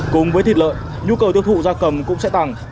cùng với thịt lợn nhu cầu tiêu thụ gia cầm cũng sẽ tăng